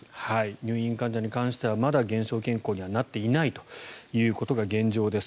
入院患者に関してはまだ減少傾向にはなっていないということが現状です。